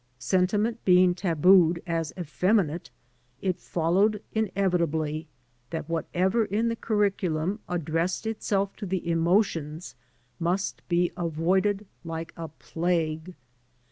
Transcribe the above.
Sentiment being tabooed as effeminate, it followed inevitably that whatever in the curriculum addressed itself to the emotions must be avoided like a plague.